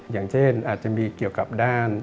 อย่างเช่นอาจจะมีเกี่ยวกับด้าน